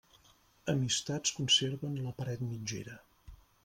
Amistats conserven la paret mitgera.